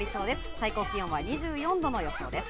最高気温は２４度の予想です。